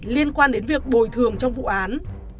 liên quan đến việc bồi thường trong vụ án